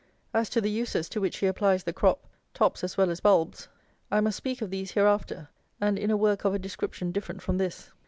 As to the uses to which he applies the crop, tops as well as bulbs, I must speak of these hereafter, and in a work of a description different from this.